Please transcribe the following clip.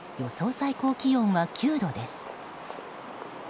最高気温は９度です。